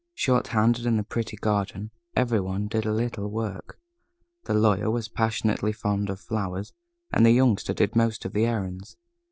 Short handed in the pretty garden, every one did a little work. The Lawyer was passionately fond of flowers, and the Youngster did most of the errands.